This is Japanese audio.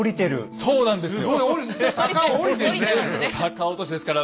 そうなんですよ。